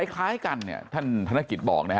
คล้ายกันเนี่ยท่านธนกิจบอกนะฮะ